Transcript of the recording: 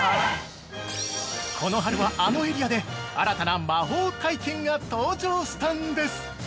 この春は、あのエリアで新たな魔法体験が登場したんです！